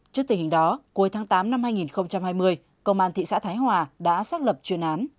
trước tình hình đó cuối tháng tám năm hai nghìn hai mươi công an thị xã thái hòa đã xác lập chuyên án